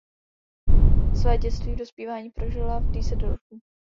Své dětství a dospívání prožila v Düsseldorfu.